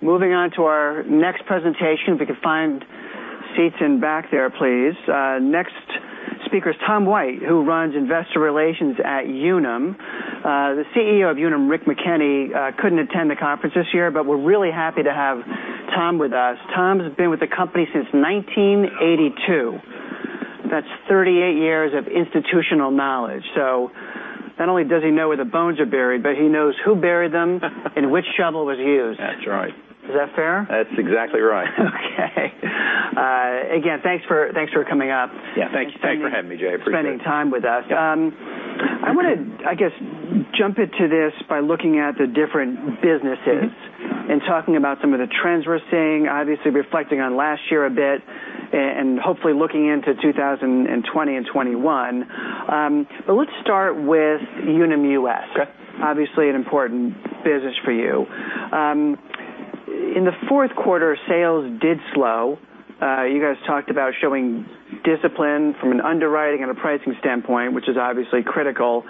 Moving on to our next presentation. If you could find seats in back there, please. Next speaker is Tom White, who runs Investor Relations at Unum. The CEO of Unum, Rick McKenney, couldn't attend the conference this year, we're really happy to have Tom with us. Tom has been with the company since 1982. That's 38 years of institutional knowledge. Not only does he know where the bones are buried, he knows who buried them and which shovel was used. That's right. Is that fair? That's exactly right. Okay. Again, thanks for coming up. Yeah, thanks for having me, Jack. I appreciate it. Spending time with us. I want to, I guess, jump into this by looking at the different businesses and talking about some of the trends we're seeing, obviously reflecting on last year a bit, and hopefully looking into 2020 and 2021. Let's start with Unum US. Okay. Obviously an important business for you. In the fourth quarter, sales did slow. You guys talked about showing discipline from an underwriting and a pricing standpoint, which is obviously critical.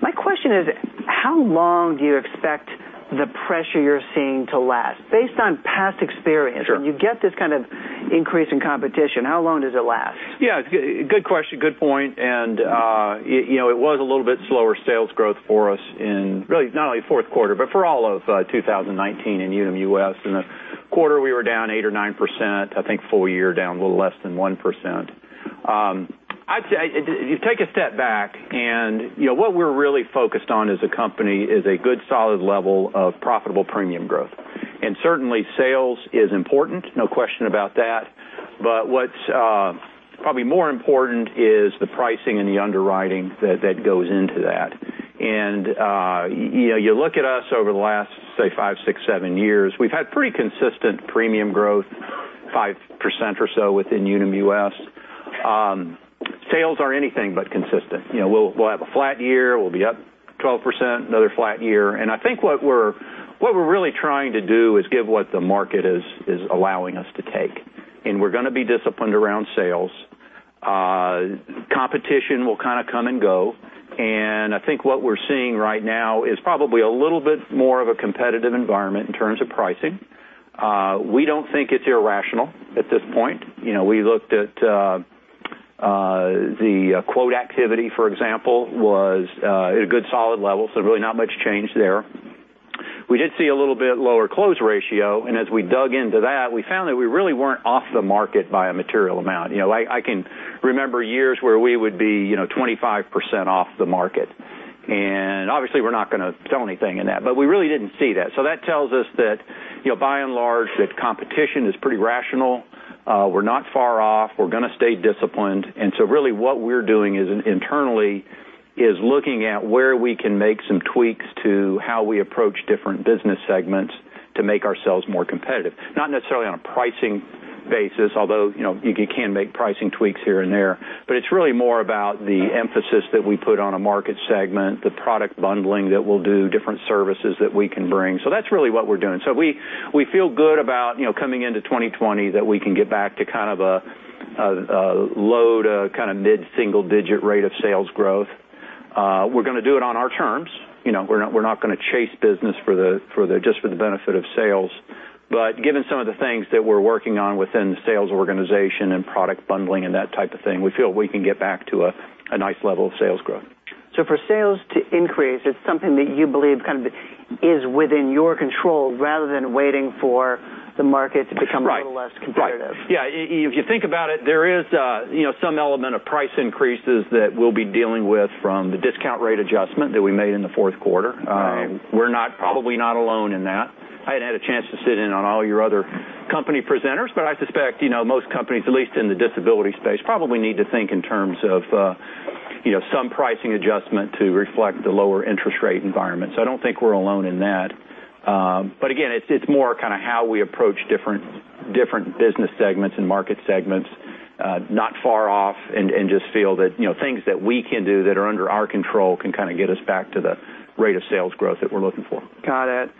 My question is, how long do you expect the pressure you're seeing to last? Based on past experience. Sure When you get this kind of increase in competition, how long does it last? Yeah, good question. Good point. It was a little bit slower sales growth for us in, really not only fourth quarter, but for all of 2019 in Unum US. In the quarter, we were down 8% or 9%. I think full year, down a little less than 1%. You take a step back, what we're really focused on as a company is a good solid level of profitable premium growth. Certainly sales is important, no question about that. What's probably more important is the pricing and the underwriting that goes into that. You look at us over the last, say, five, six, seven years, we've had pretty consistent premium growth, 5% or so within Unum US. Sales are anything but consistent. We'll have a flat year, we'll be up 12%, another flat year. I think what we're really trying to do is give what the market is allowing us to take, and we're going to be disciplined around sales. Competition will kind of come and go, and I think what we're seeing right now is probably a little bit more of a competitive environment in terms of pricing. We don't think it's irrational at this point. We looked at the quote activity, for example, was at a good solid level, so really not much change there. We did see a little bit lower close ratio, and as we dug into that, we found that we really weren't off the market by a material amount. I can remember years where we would be 25% off the market, and obviously we're not going to sell anything in that, but we really didn't see that. That tells us that by and large, that competition is pretty rational. We're not far off. We're going to stay disciplined. Really what we're doing internally is looking at where we can make some tweaks to how we approach different business segments to make ourselves more competitive, not necessarily on a pricing basis, although you can make pricing tweaks here and there. It's really more about the emphasis that we put on a market segment, the product bundling that we'll do, different services that we can bring. That's really what we're doing. We feel good about coming into 2020 that we can get back to kind of a low to kind of mid-single digit rate of sales growth. We're going to do it on our terms. We're not going to chase business just for the benefit of sales. Given some of the things that we're working on within the sales organization and product bundling and that type of thing, we feel we can get back to a nice level of sales growth. For sales to increase, it's something that you believe kind of is within your control rather than waiting for the market to become a little less competitive. Right. Yeah. If you think about it, there is some element of price increases that we'll be dealing with from the discount rate adjustment that we made in the fourth quarter. Right. We're probably not alone in that. I hadn't had a chance to sit in on all your other company presenters, but I suspect most companies, at least in the disability space, probably need to think in terms of some pricing adjustment to reflect the lower interest rate environment. I don't think we're alone in that. Again, it's more kind of how we approach different business segments and market segments, not far off, and just feel that things that we can do that are under our control can kind of get us back to the rate of sales growth that we're looking for. Got it.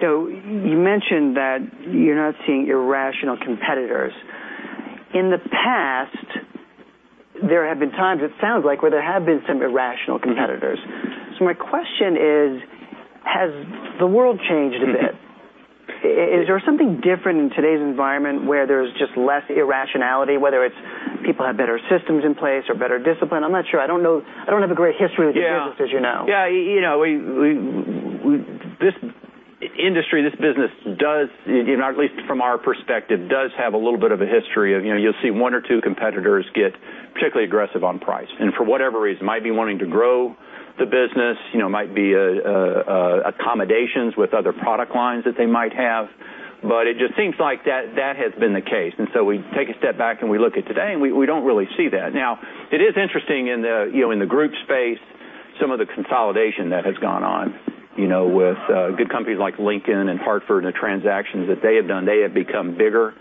You mentioned that you're not seeing irrational competitors. In the past, there have been times, it sounds like, where there have been some irrational competitors. My question is, has the world changed a bit? Is there something different in today's environment where there's just less irrationality, whether it's people have better systems in place or better discipline? I'm not sure. I don't have a great history with this business, as you know. Yeah. This industry, this business does, at least from our perspective, does have a little bit of a history of you'll see one or two competitors get particularly aggressive on price. For whatever reason, might be wanting to grow the business, might be accommodations with other product lines that they might have. It just seems like that has been the case. We take a step back and we look at today, and we don't really see that. It is interesting in the group space, some of the consolidation that has gone on, with good companies like Lincoln and Hartford and the transactions that they have done. They have become bigger.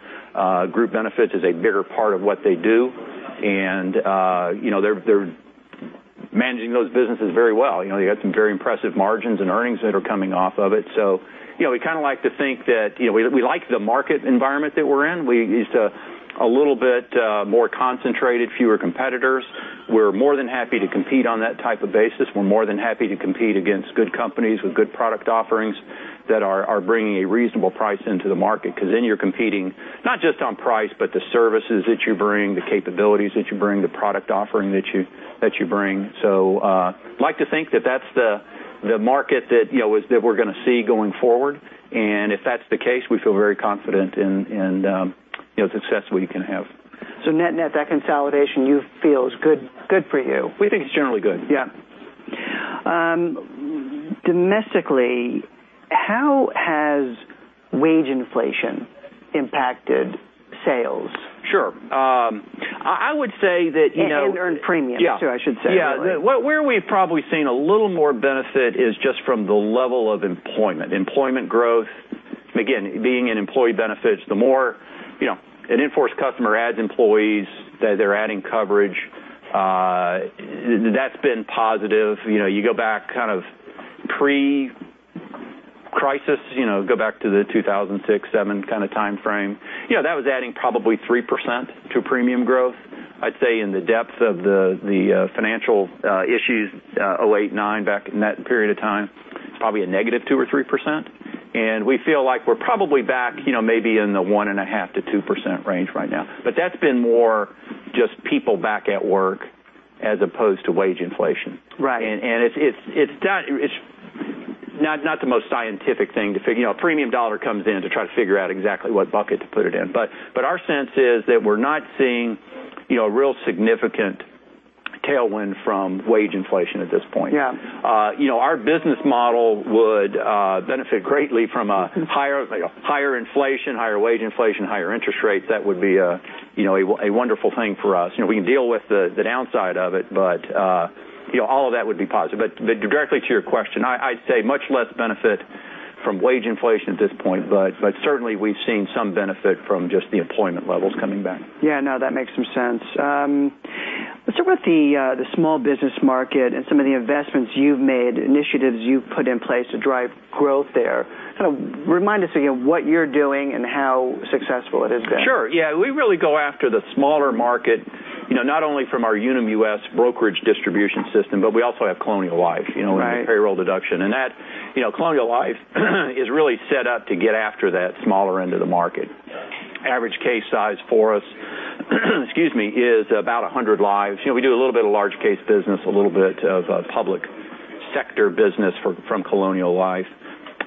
Group benefits is a bigger part of what they do, and they're managing those businesses very well. You got some very impressive margins and earnings that are coming off of it. We like the market environment that we're in. A little bit more concentrated, fewer competitors. We're more than happy to compete on that type of basis. We're more than happy to compete against good companies with good product offerings that are bringing a reasonable price into the market, because then you're competing not just on price, but the services that you bring, the capabilities that you bring, the product offering that you bring. I'd like to think that that's the market that we're going to see going forward, and if that's the case, we feel very confident in the success we can have. Net, that consolidation you feel is good for you? We think it's generally good. Yeah. Domestically, how has wage inflation impacted sales? Sure. I would say. Earned premium too, I should say. Yeah. Where we've probably seen a little more benefit is just from the level of employment growth. Again, being in employee benefits, an in-force customer adds employees, they're adding coverage. That's been positive. You go back kind of pre-crisis, go back to the 2006, 2007 kind of timeframe, that was adding probably 3% to premium growth. I'd say in the depth of the financial issues, 2008, 2009, back in that period of time, it's probably a negative 2% or 3%. We feel like we're probably back maybe in the 1.5% to 2% range right now. That's been more just people back at work as opposed to wage inflation. Right. It's not the most scientific thing to figure out premium dollar comes in to try to figure out exactly what bucket to put it in. Our sense is that we're not seeing real significant tailwind from wage inflation at this point. Yeah. Our business model would benefit greatly from a higher inflation, higher wage inflation, higher interest rates. That would be a wonderful thing for us. We can deal with the downside of it, but all of that would be positive. Directly to your question, I'd say much less benefit from wage inflation at this point, but certainly we've seen some benefit from just the employment levels coming back. Yeah, no, that makes some sense. Let's talk about the small business market and some of the investments you've made, initiatives you've put in place to drive growth there. Kind of remind us again what you're doing and how successful it has been. Sure. Yeah. We really go after the smaller market, not only from our Unum US brokerage distribution system, but we also have Colonial Life. Right With the payroll deduction. Colonial Life is really set up to get after that smaller end of the market. Average case size for us is about 100 lives. We do a little bit of large case business, a little bit of public sector business from Colonial Life.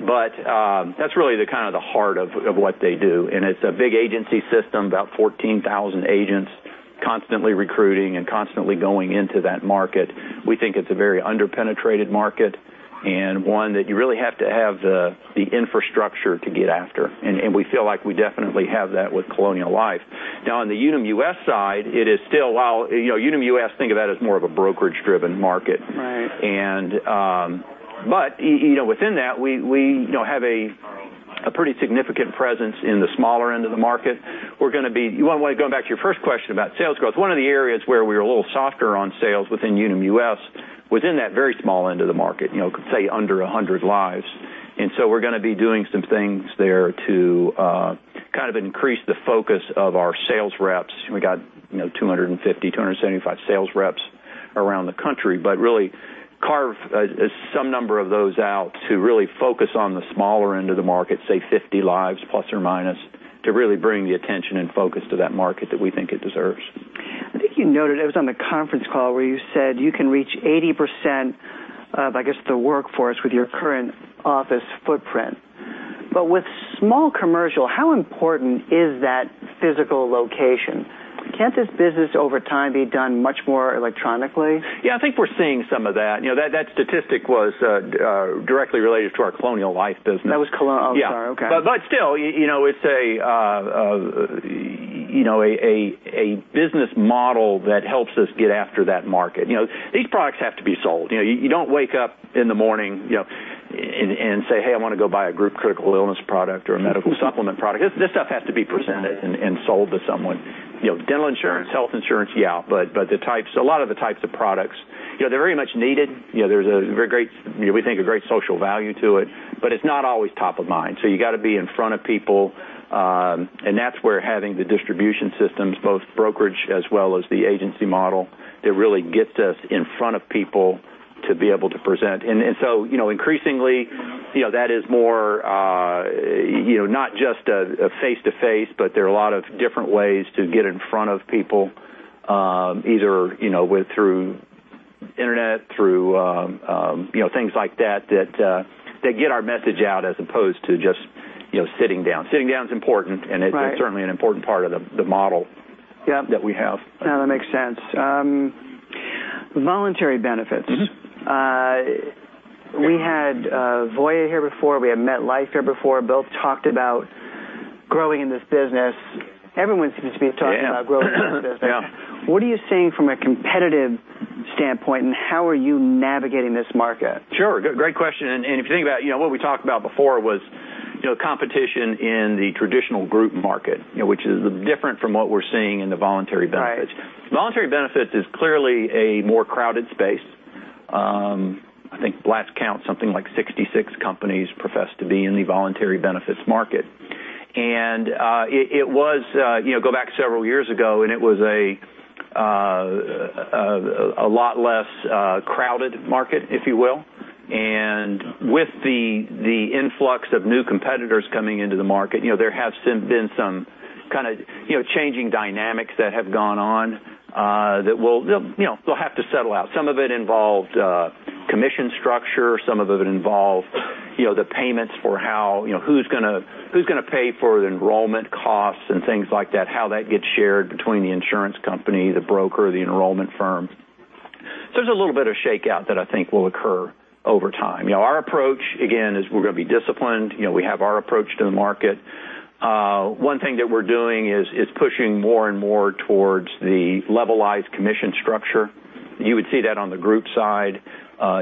That's really kind of the heart of what they do. It's a big agency system, about 14,000 agents constantly recruiting and constantly going into that market. We think it's a very under-penetrated market and one that you really have to have the infrastructure to get after. We feel like we definitely have that with Colonial Life. Now, on the Unum US side, it is still Unum US, think of that as more of a brokerage-driven market. Right. Within that, we have a pretty significant presence in the smaller end of the market. Going back to your first question about sales growth, one of the areas where we were a little softer on sales within Unum US was in that very small end of the market, say under 100 lives. We're going to be doing some things there to kind of increase the focus of our sales reps. We got 250, 275 sales reps around the country, but really carve some number of those out to really focus on the smaller end of the market, say 50 lives plus or minus, to really bring the attention and focus to that market that we think it deserves. I think you noted, it was on the conference call where you said you can reach 80% of, I guess, the workforce with your current office footprint. With small commercial, how important is that physical location? Can't this business over time be done much more electronically? I think we're seeing some of that. That statistic was directly related to our Colonial Life business. That was Colonial. Oh, sorry. Okay. Still, it's a business model that helps us get after that market. These products have to be sold. You don't wake up in the morning and say, "Hey, I want to go buy a group critical illness product or a medical supplement product." This stuff has to be presented and sold to someone. Dental insurance, health insurance, yeah, but a lot of the types of products, they're very much needed. There's, we think, a great social value to it, but it's not always top of mind. You got to be in front of people, and that's where having the distribution systems, both brokerage as well as the agency model, that really gets us in front of people to be able to present. Increasingly, that is more not just a face-to-face, but there are a lot of different ways to get in front of people, either through internet, through things like that get our message out as opposed to just sitting down. Sitting down is important, and it's certainly an important part of the model that we have. No, that makes sense. Voluntary benefits. We had Voya here before. We had MetLife here before. Both talked about growing in this business. Everyone seems to be talking about growing in this business. Yeah. What are you seeing from a competitive standpoint, how are you navigating this market? Sure. Great question. If you think about what we talked about before was competition in the traditional group market, which is different from what we're seeing in the Voluntary benefits. Right. Voluntary benefits is clearly a more crowded space. I think last count, something like 66 companies profess to be in the Voluntary benefits market. Go back several years ago, and it was a lot less crowded market, if you will. With the influx of new competitors coming into the market, there has been some kind of changing dynamics that have gone on that they'll have to settle out. Some of it involved commission structure, some of it involved the payments for who's going to pay for the enrollment costs and things like that, how that gets shared between the insurance company, the broker, the enrollment firm. There's a little bit of shakeout that I think will occur over time. Our approach, again, is we're going to be disciplined. We have our approach to the market. One thing that we're doing is pushing more and more towards the levelized commission structure. You would see that on the group side.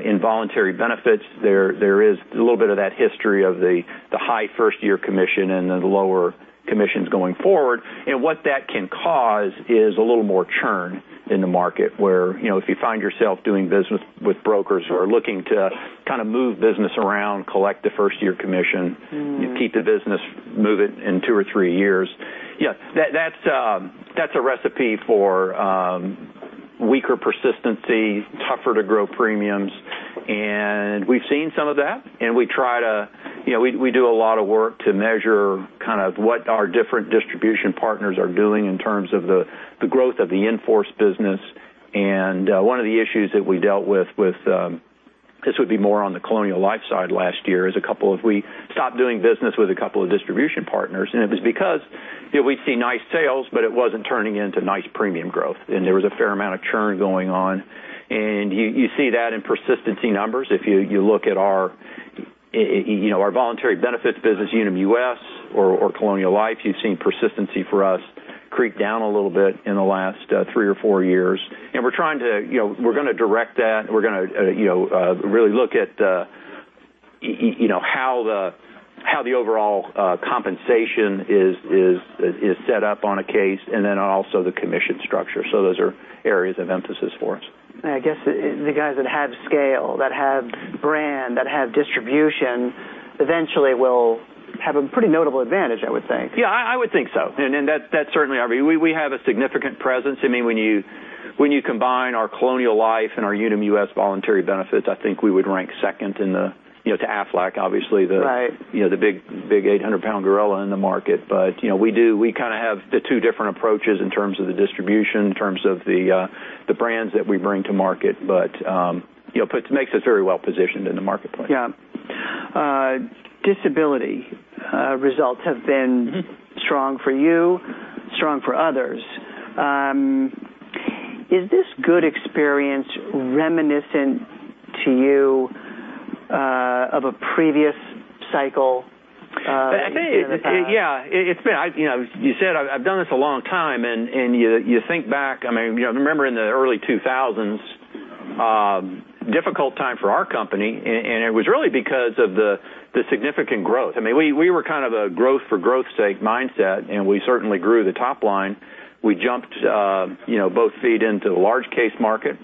In Voluntary benefits, there is a little bit of that history of the high first-year commission and the lower commissions going forward. What that can cause is a little more churn in the market, where if you find yourself doing business with brokers who are looking to kind of move business around, collect the first-year commission, you keep the business, move it in two or three years. That's a recipe for weaker persistency, tougher to grow premiums, and we've seen some of that, and we do a lot of work to measure kind of what our different distribution partners are doing in terms of the growth of the in-force business. One of the issues that we dealt with, this would be more on the Colonial Life side last year, is we stopped doing business with a couple of distribution partners, and it was because we'd see nice sales, but it wasn't turning into nice premium growth, and there was a fair amount of churn going on. You see that in persistency numbers. If you look at our Voluntary benefits business, Unum US or Colonial Life, you've seen persistency for us creep down a little bit in the last three or four years. We're going to direct that. We're going to really look at how the overall compensation is set up on a case and then also the commission structure. Those are areas of emphasis for us. I guess the guys that have scale, that have brand, that have distribution, eventually will have a pretty notable advantage, I would think. I would think so. We have a significant presence. When you combine our Colonial Life and our Unum US voluntary benefits, I think we would rank second to Aflac, obviously. Right The big 800-pound gorilla in the market. We kind of have the two different approaches in terms of the distribution, in terms of the brands that we bring to market. It makes us very well-positioned in the marketplace. Yeah. Disability results have been strong for you, strong for others. Is this good experience reminiscent to you of a previous cycle? Yeah. As you said, I've done this a long time, and you think back, I remember in the early 2000s, difficult time for our company, and it was really because of the significant growth. We were kind of a growth for growth's sake mindset, and we certainly grew the top line. We jumped both feet into the large case market.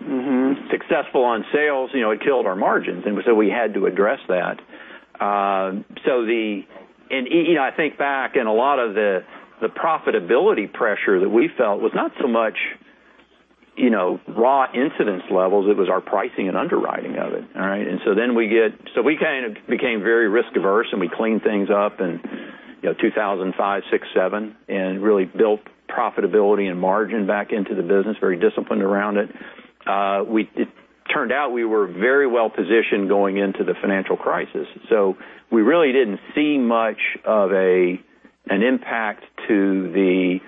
Successful on sales. It killed our margins. We had to address that. I think back and a lot of the profitability pressure that we felt was not so much raw incidence levels, it was our pricing and underwriting of it. All right? We kind of became very risk-averse, and we cleaned things up in 2005, 2006, 2007, and really built profitability and margin back into the business, very disciplined around it. It turned out we were very well-positioned going into the financial crisis. We really didn't see much of an impact to the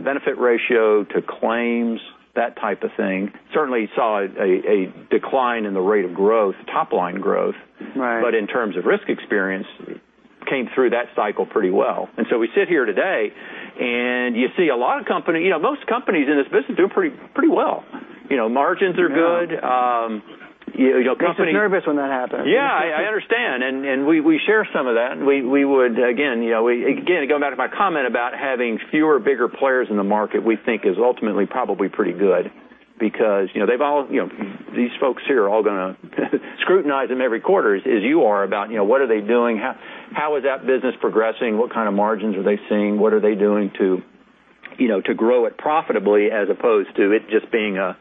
benefit ratio, to claims, that type of thing. Certainly saw a decline in the rate of growth, top-line growth. Right. In terms of risk experience, came through that cycle pretty well. We sit here today and you see a lot of companies, most companies in this business are doing pretty well. Margins are good. Makes us nervous when that happens. Yeah, I understand. We share some of that, and we would, again, going back to my comment about having fewer bigger players in the market, we think is ultimately probably pretty good because these folks here are all going to scrutinize them every quarter, as you are, about what are they doing? How is that business progressing? What kind of margins are they seeing? What are they doing to grow it profitably as opposed to it just being a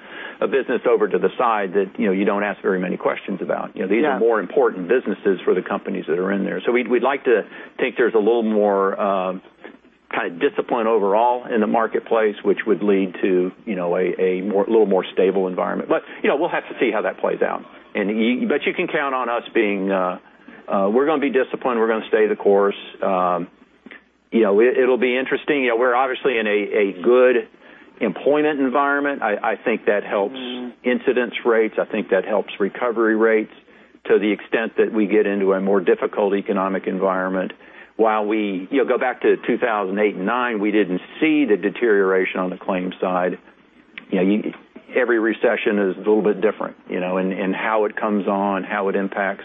business over to the side that you don't ask very many questions about. Yeah. These are more important businesses for the companies that are in there. We'd like to think there's a little more kind of discipline overall in the marketplace, which would lead to a little more stable environment. We'll have to see how that plays out. You can count on us. We're going to be disciplined. We're going to stay the course. It'll be interesting. We're obviously in a good employment environment. I think that helps incidence rates. I think that helps recovery rates to the extent that we get into a more difficult economic environment. Go back to 2008 and 2009, we didn't see the deterioration on the claims side. Every recession is a little bit different in how it comes on, how it impacts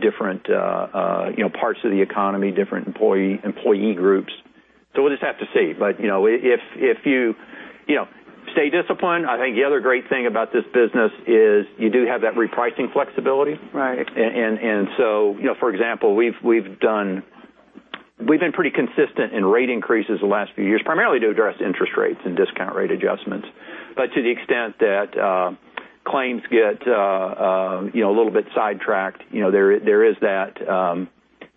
different parts of the economy, different employee groups. We'll just have to see. If you stay disciplined, I think the other great thing about this business is you do have that repricing flexibility. Right. For example, we've been pretty consistent in rate increases the last few years, primarily to address interest rates and discount rate adjustments. To the extent that claims get a little bit sidetracked, there is that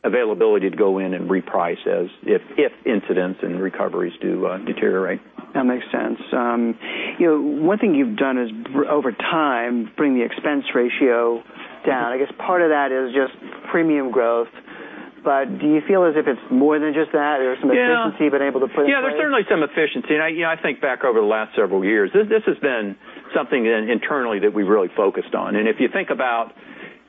availability to go in and reprice as if incidence and recoveries do deteriorate. That makes sense. One thing you've done is over time, bring the expense ratio down. I guess part of that is just premium growth, but do you feel as if it's more than just that? There's some efficiency you've been able to put in place? Yeah, there's certainly some efficiency. I think back over the last several years, this has been something internally that we've really focused on. If you think about,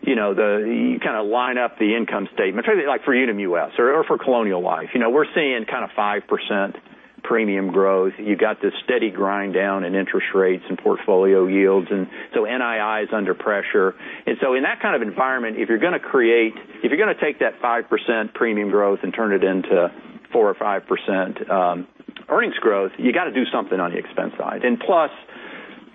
you kind of line up the income statement, like for Unum US or for Colonial Life. We're seeing 5% premium growth. You got this steady grind down in interest rates and portfolio yields, so NII is under pressure. In that kind of environment, if you're going to take that 5% premium growth and turn it into 4% or 5% earnings growth, you got to do something on the expense side. Plus,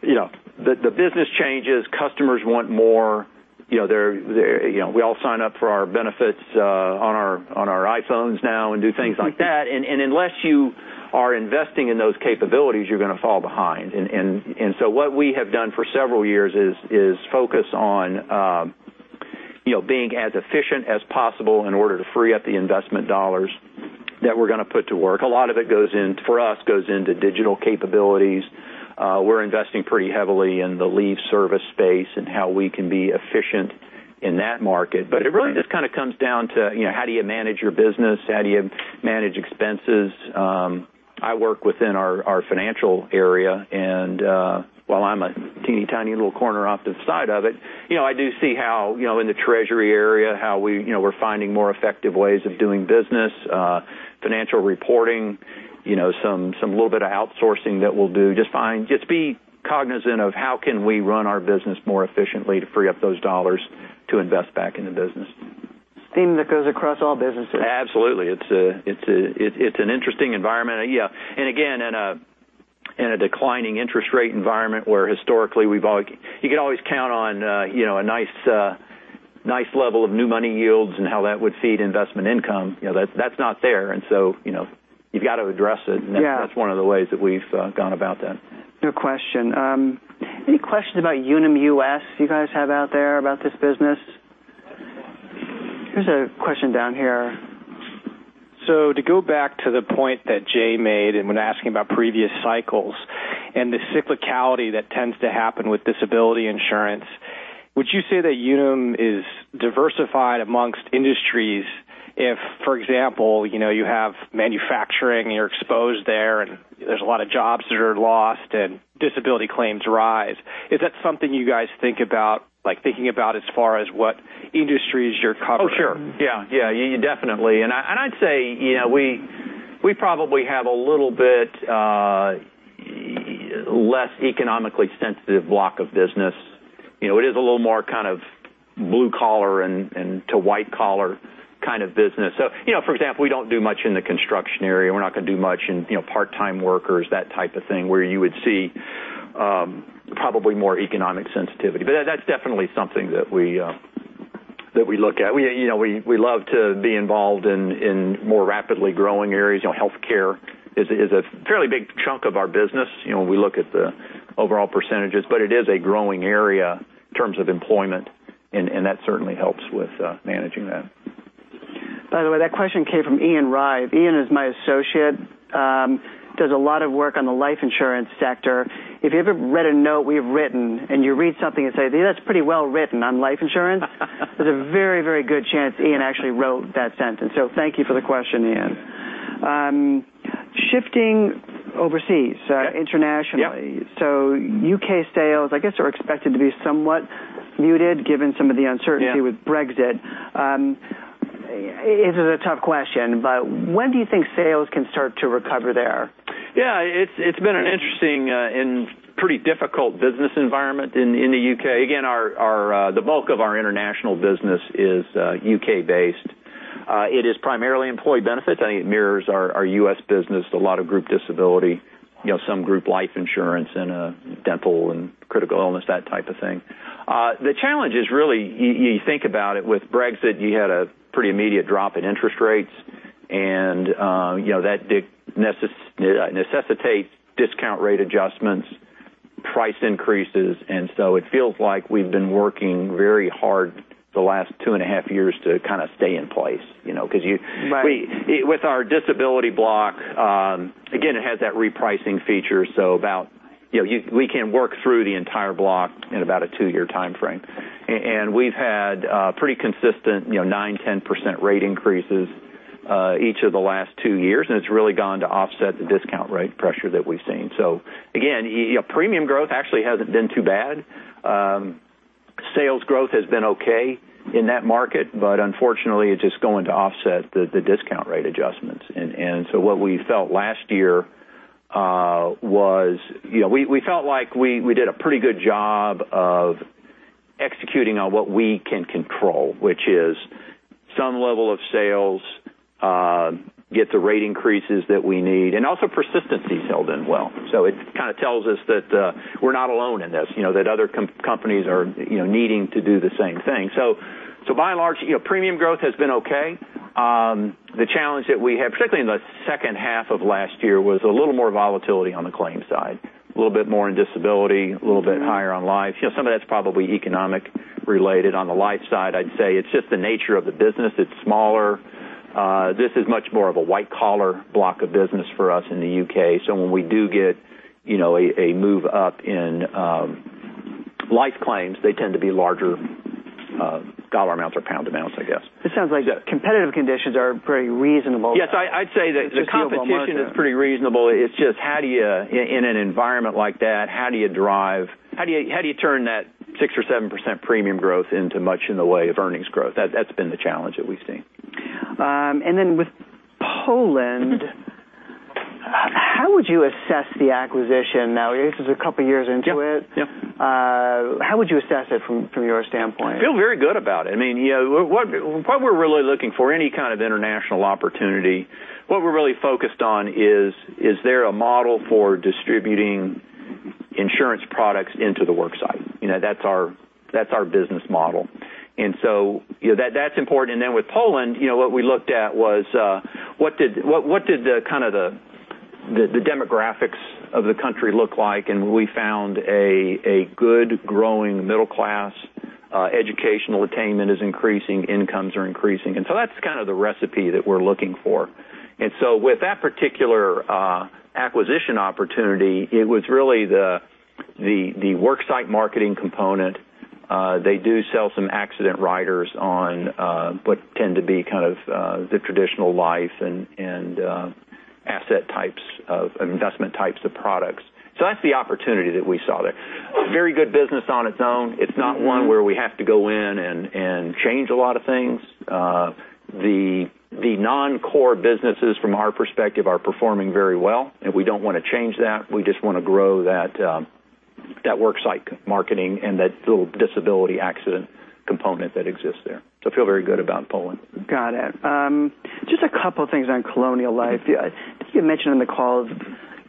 the business changes. Customers want more. We all sign up for our benefits on our iPhones now and do things like that. Unless you are investing in those capabilities, you're going to fall behind. What we have done for several years is focus on being as efficient as possible in order to free up the investment dollars that we're going to put to work. A lot of it, for us, goes into digital capabilities. We're investing pretty heavily in the leave service space and how we can be efficient in that market. It really just comes down to how do you manage your business? How do you manage expenses? I work within our financial area and while I'm a teeny-tiny little corner off the side of it, I do see how in the treasury area, how we're finding more effective ways of doing business, financial reporting, some little bit of outsourcing that we'll do. Just be cognizant of how can we run our business more efficiently to free up those dollars to invest back in the business. Theme that goes across all businesses. Absolutely. It's an interesting environment. Again, in a declining interest rate environment where historically you could always count on a nice level of new money yields and how that would feed investment income, that's not there. So you've got to address it. Yeah. That's one of the ways that we've gone about that. Good question. Any questions about Unum US you guys have out there about this business? Here's a question down here. To go back to the point that Jack made, and when asking about previous cycles and the cyclicality that tends to happen with disability insurance, would you say that Unum is diversified amongst industries if, for example, you have manufacturing and you're exposed there, and there's a lot of jobs that are lost and disability claims rise. Is that something you guys think about, like thinking about as far as what industries you're covering? Sure. Definitely. I'd say we probably have a little bit less economically sensitive block of business. It is a little more kind of blue collar and to white collar kind of business. For example, we don't do much in the construction area. We're not going to do much in part-time workers, that type of thing, where you would see probably more economic sensitivity. That's definitely something that we look at. We love to be involved in more rapidly growing areas. Healthcare is a fairly big chunk of our business when we look at the overall percentages, but it is a growing area in terms of employment, and that certainly helps with managing that. Thank you for the question, Ian Ryave. Ian is my associate, does a lot of work on the life insurance sector. If you've ever read a note we've written and you read something and say, "That's pretty well-written on life insurance," there's a very good chance Ian actually wrote that sentence. Thank you for the question, Ian. Shifting overseas, internationally. Yep. U.K. sales, I guess, are expected to be somewhat muted given some of the uncertainty with Brexit. This is a tough question. When do you think sales can start to recover there? It's been an interesting and pretty difficult business environment in the U.K. Again, the bulk of our international business is U.K.-based. It is primarily employee benefits. I think it mirrors our U.S. business, a lot of group disability, some group life insurance, and dental and critical illness, that type of thing. The challenge is really, you think about it with Brexit, you had a pretty immediate drop in interest rates, and that did necessitate discount rate adjustments, price increases. It feels like we've been working very hard the last two and a half years to kind of stay in place. Right. With our disability block, again, it has that repricing feature. We can work through the entire block in about a two-year timeframe. We've had pretty consistent 9%, 10% rate increases each of the last two years, and it's really gone to offset the discount rate pressure that we've seen. Again, premium growth actually hasn't been too bad. Sales growth has been okay in that market. Unfortunately, it's just going to offset the discount rate adjustments. What we felt last year was we felt like we did a pretty good job of executing on what we can control, which is some level of sales, get the rate increases that we need, and also persistency held in well. It kind of tells us that we're not alone in this, that other companies are needing to do the same thing. By and large, premium growth has been okay. The challenge that we have, particularly in the second half of last year, was a little more volatility on the claims side, a little bit more in disability, a little bit higher on life. Some of that's probably economic related on the life side. I'd say it's just the nature of the business. It's smaller. This is much more of a white-collar block of business for us in the U.K. When we do get a move up in life claims, they tend to be larger dollar amounts or GBP amounts, I guess. It sounds like competitive conditions are pretty reasonable. Yes, I'd say that competition is pretty reasonable. It's just in an environment like that, how do you turn that 6% or 7% premium growth into much in the way of earnings growth? That's been the challenge that we've seen. With Poland, how would you assess the acquisition now? This is a couple of years into it. Yep. How would you assess it from your standpoint? I feel very good about it. What we're really looking for, any kind of international opportunity, what we're really focused on is there a model for distributing insurance products into the work site? That's our business model. That's important. With Poland, what we looked at was, what did the demographics of the country look like? We found a good, growing middle class, educational attainment is increasing, incomes are increasing. That's kind of the recipe that we're looking for. With that particular acquisition opportunity, it was really the work site marketing component. They do sell some accident riders on what tend to be kind of the traditional life and asset types of investment types of products. So that's the opportunity that we saw there. Very good business on its own. It's not one where we have to go in and change a lot of things. The non-core businesses from our perspective are performing very well, and we don't want to change that. We just want to grow that work site marketing and that little disability accident component that exists there. Feel very good about Poland. Got it. Just a couple of things on Colonial Life. I think you mentioned on the call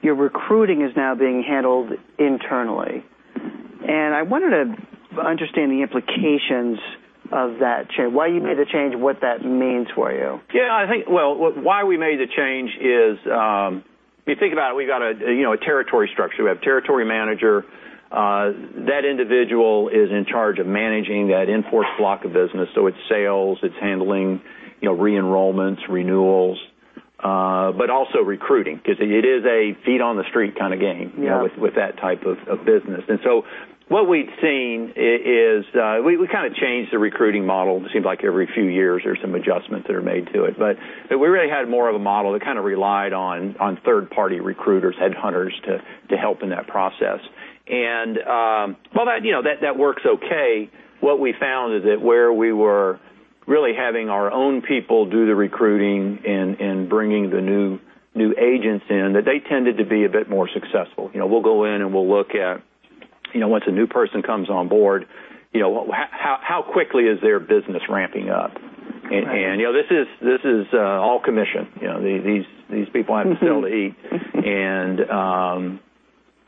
your recruiting is now being handled internally, I wanted to understand the implications of that change, why you made the change and what that means for you. I think, well, why we made the change is, if you think about it, we've got a territory structure. We have territory manager. That individual is in charge of managing that in-force block of business. It's sales, it's handling re-enrollments, renewals, but also recruiting, because it is a feet on the street kind of game. Yeah With that type of business. What we've seen is we kind of change the recruiting model. It seems like every few years, there's some adjustments that are made to it. We really had more of a model that kind of relied on third party recruiters, headhunters to help in that process. While that works okay, what we found is that where we were really having our own people do the recruiting and bringing the new agents in, that they tended to be a bit more successful. We'll go in and we'll look at once a new person comes on board, how quickly is their business ramping up. Right. This is all commission. These people have to be able to eat, and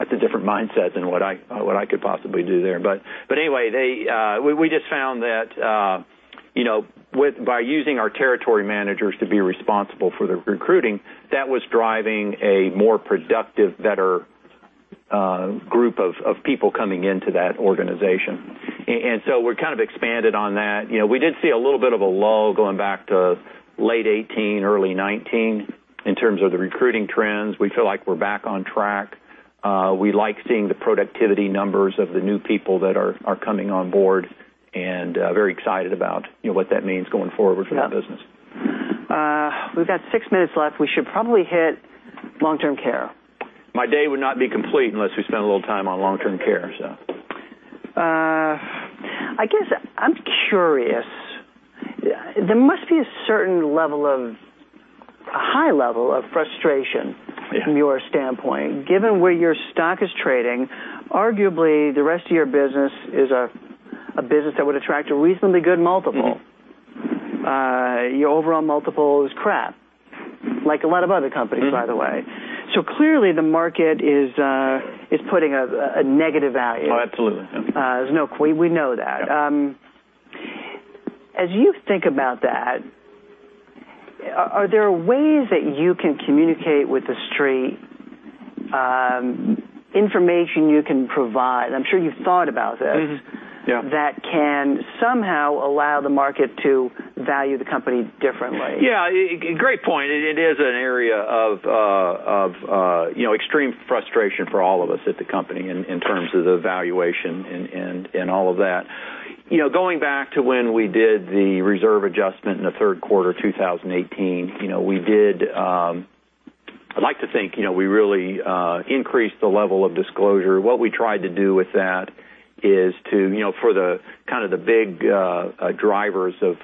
that's a different mindset than what I could possibly do there. Anyway, we just found that by using our territory managers to be responsible for the recruiting, that was driving a more productive, better group of people coming into that organization. We kind of expanded on that. We did see a little bit of a lull going back to late 2018, early 2019 in terms of the recruiting trends. We feel like we're back on track. We like seeing the productivity numbers of the new people that are coming on board, and very excited about what that means going forward for the business. We've got six minutes left. We should probably hit long-term care. My day would not be complete unless we spent a little time on long-term care. I guess I'm curious. There must be a high level of frustration from your standpoint. Given where your stock is trading, arguably the rest of your business is a business that would attract a reasonably good multiple. Your overall multiple is crap, like a lot of other companies, by the way. Clearly the market is putting a negative value. Absolutely. Yeah. There's no-- We know that. Yeah. As you think about that, are there ways that you can communicate with the Street, information you can provide, I'm sure you've thought about this. Yeah That can somehow allow the market to value the company differently? Yeah. Great point. It is an area of extreme frustration for all of us at the company in terms of the valuation and all of that. Going back to when we did the reserve adjustment in the third quarter 2018, I'd like to think we really increased the level of disclosure. What we tried to do with that is for the big drivers of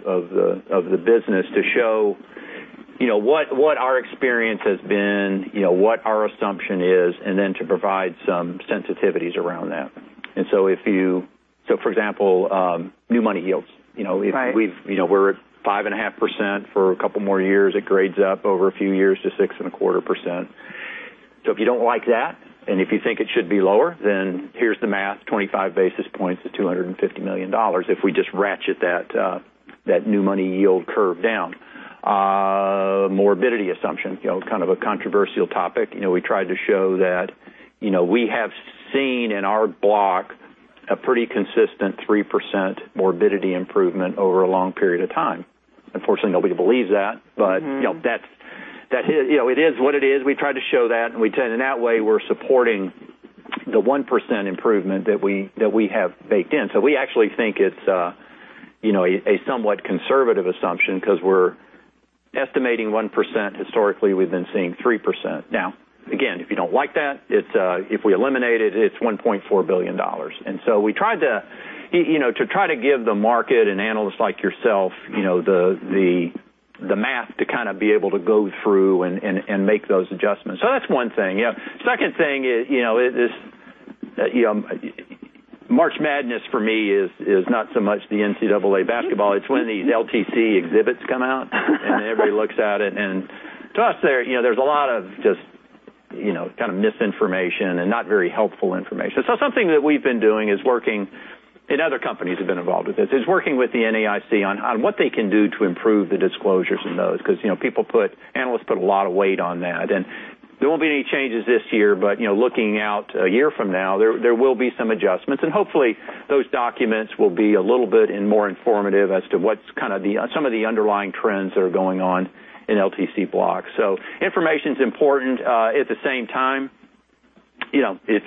the business to show what our experience has been, what our assumption is, and then to provide some sensitivities around that. For example, new money yields. Right. We're at 5.5% for a couple more years. It grades up over a few years to 6.25%. If you don't like that, and if you think it should be lower, then here's the math, 25 basis points to $250 million if we just ratchet that new money yield curve down. Morbidity assumption, kind of a controversial topic. We tried to show that we have seen in our block a pretty consistent 3% morbidity improvement over a long period of time. Unfortunately, nobody believes that. It is what it is. We try to show that, we tend in that way, we're supporting the 1% improvement that we have baked in. We actually think it's a somewhat conservative assumption because we're estimating 1%. Historically, we've been seeing 3%. Again, if you don't like that, if we eliminate it's $1.4 billion. We tried to give the market and analysts like yourself the math to be able to go through and make those adjustments. That's one thing. Second thing is, March Madness for me is not so much the NCAA basketball. It's when these LTC exhibits come out, and everybody looks at it. To us, there's a lot of just kind of misinformation and not very helpful information. Something that we've been doing is working, other companies have been involved with this, is working with the NAIC on what they can do to improve the disclosures in those, because analysts put a lot of weight on that. There won't be any changes this year, but looking out a year from now, there will be some adjustments, and hopefully those documents will be a little bit more informative as to what's some of the underlying trends that are going on in LTC blocks. Information's important. At the same time, if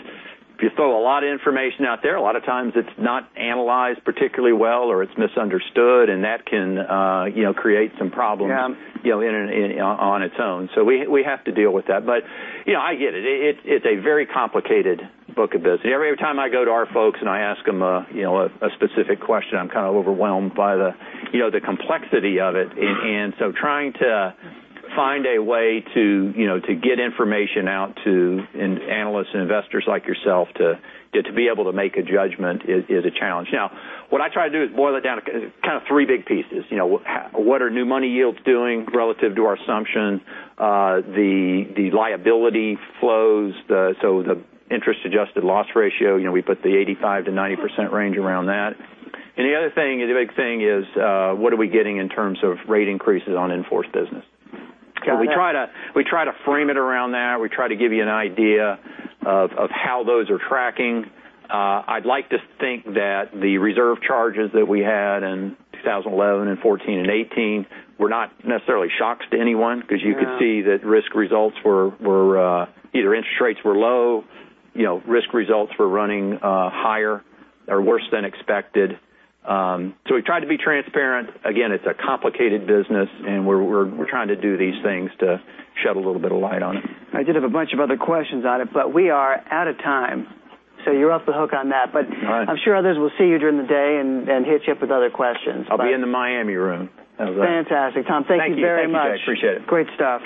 you throw a lot of information out there, a lot of times it's not analyzed particularly well or it's misunderstood, and that can create some problems. Yeah On its own. We have to deal with that. I get it. It's a very complicated book of business. Every time I go to our folks and I ask them a specific question, I'm kind of overwhelmed by the complexity of it. Trying to find a way to get information out to analysts and investors like yourself to be able to make a judgment is a challenge. What I try to do is boil it down to kind of three big pieces. What are new money yields doing relative to our assumption? The liability flows, the interest-adjusted loss ratio, we put the 85%-90% range around that. The other thing, the big thing is, what are we getting in terms of rate increases on in-force business? Got it. We try to frame it around that. We try to give you an idea of how those are tracking. I'd like to think that the reserve charges that we had in 2011 and 2014 and 2018 were not necessarily shocks to anyone, because you could see that risk results were either interest rates were low, risk results were running higher or worse than expected. We tried to be transparent. Again, it's a complicated business, and we're trying to do these things to shed a little bit of light on it. I did have a bunch of other questions on it, but we are out of time, so you're off the hook on that. All right. I'm sure others will see you during the day and hit you up with other questions. I'll be in the Miami room. How's that? Fantastic, Tom. Thank you very much. Thank you, Jack. Appreciate it. Great stuff.